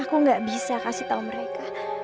aku gak bisa kasih tahu mereka